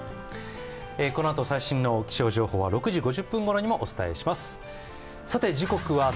このあと、最新の気象情報は６時５０分ごろにもお伝えします。